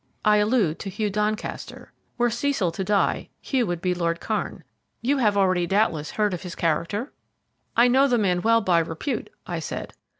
I allude to Hugh Doncaster. Were Cecil to die, Hugh would be Lord Kairn. You have already doubtless heard of his character?" "I know the man well by repute," I said.